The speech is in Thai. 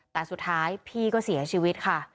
แต่สุดท้ายพี่ก็เสียชีวิตค่ะ